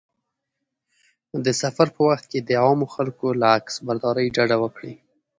د سفر په وخت کې د عامو خلکو له عکسبرداري ډډه وکړه.